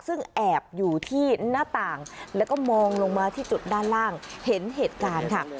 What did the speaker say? ซึ่งแอบอยู่ที่หน้าต่างแล้วก็มองลงมาที่จุดด้านล่างเห็นเหตุการณ์ค่ะ